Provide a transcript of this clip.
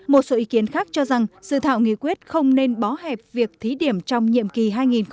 một số ý kiến khác cho rằng sự thảo nghị quyết không nên bó hẹp việc thí điểm trong nhiệm kỳ hai nghìn hai mươi hai nghìn hai mươi